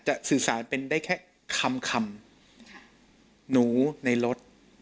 สื่อสารเป็นได้แค่คำคำหนูในรถ